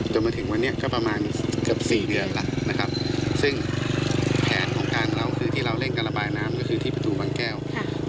จนมาถึงวันนี้ก็ประมาณเกือบ๔เดือนแล้วนะครับซึ่งแผนของการร้องคือที่เราเร่งการระบายน้ำก็คือที่ประตูบางแก้ว